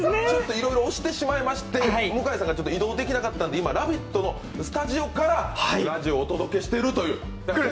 いろいろ押してしまいまして、向井さんが移動できなかったので、今、「ラヴィット！」のスタジオからラジオをお届けしているという。